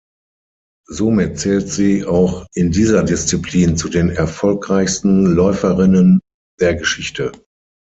Somit zählt sie auch in dieser Disziplin zu den erfolgreichsten Läuferinnen der Geschichte.